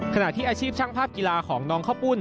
อาชีพช่างภาพกีฬาของน้องข้าวปุ้น